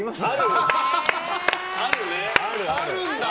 あるんだ！